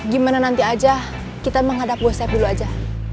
gimana nanti aja kita menghadap gosep dulu aja